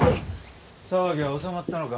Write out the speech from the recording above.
騒ぎは収まったのか？